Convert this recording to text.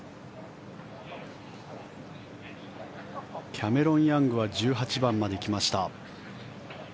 キャメロン・ヤングは１８番まで来ました。